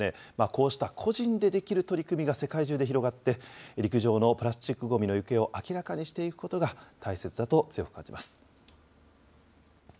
こうした個人でできる取り組みが世界中で広がって、陸上のプラスチックごみの行方を明らかにしていくことが大切だと強く感じます。